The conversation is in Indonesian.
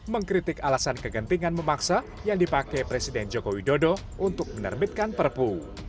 mengkritik alasan kegentingan memaksa yang dipakai presiden joko widodo untuk menerbitkan perpu